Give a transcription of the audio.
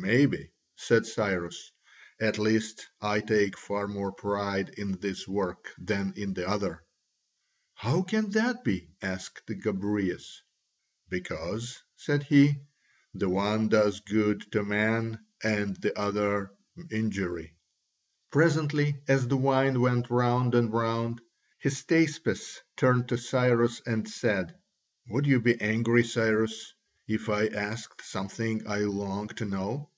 "Maybe," said Cyrus, "at least I take far more pride in this work than in the other." "How can that be?" asked Gobryas. "Because," said he, "the one does good to man and the other injury." Presently as the wine went round and round, Hystaspas turned to Cyrus and said: "Would you be angry, Cyrus, if I asked something I long to know?"